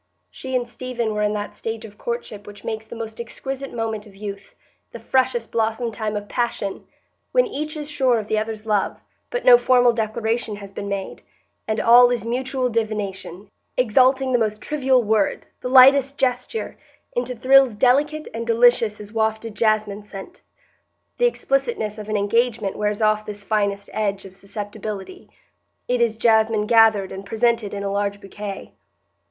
She and Stephen were in that stage of courtship which makes the most exquisite moment of youth, the freshest blossom time of passion,—when each is sure of the other's love, but no formal declaration has been made, and all is mutual divination, exalting the most trivial word, the lightest gesture, into thrills delicate and delicious as wafted jasmine scent. The explicitness of an engagement wears off this finest edge of susceptibility; it is jasmine gathered and presented in a large bouquet.